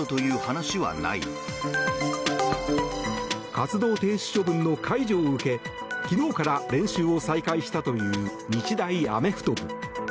活動停止処分の解除を受け昨日から練習を再開したという日大アメフト部。